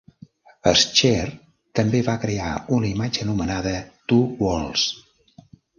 Escher també va crear una imatge anomenada "Two Worlds".